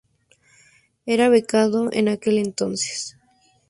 Era becado en aquel entonces.